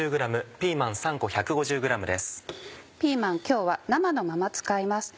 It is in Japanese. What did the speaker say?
ピーマン今日は生のまま使います。